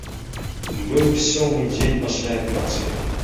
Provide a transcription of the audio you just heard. Быў сёмы дзень пасля аперацыі.